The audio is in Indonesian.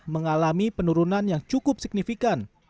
mengalami penurunan yang cukup signifikan